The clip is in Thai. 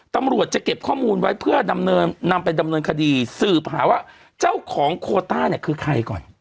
ตำรวจจะเก็บข้อมูลไว้เพื่อดำเนินนำไปดำเนินคดีสืบหาว่าเจ้าของโคต้าเนี่ยคือใครก่อน